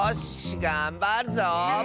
がんばるぞ！